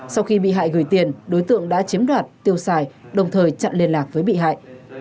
sau khi bị hại gửi tiền đối tượng đã chiếm đoạt tiêu xài đồng thời chặn liên lạc với bị hại